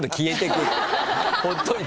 ほっといても。